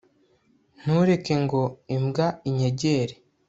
ntureke ngo imbwa inyegere